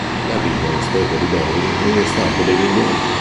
L'arrivo allo Stretto di Bering non è stato dei migliori.